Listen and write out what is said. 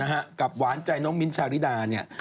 นะฮะกับหวานใจน้องมินท์ชาริดาเนี้ย